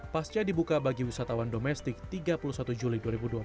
pasca dibuka bagi wisatawan domestik tiga puluh satu juli dua ribu dua puluh